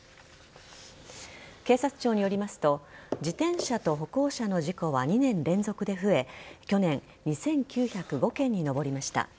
警察庁によりますと自転車と歩行者の事故は２年連続で増え去年、２９０５件に上りました。